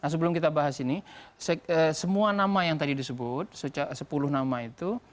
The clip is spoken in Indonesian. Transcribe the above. sebelum kita bahas ini semua nama yang tadi disebut sepuluh nama itu